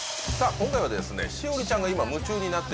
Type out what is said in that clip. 今回はですね